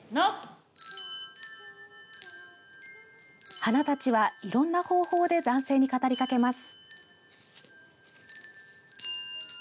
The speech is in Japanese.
花たちは、いろんな方法で男性に語りかけます。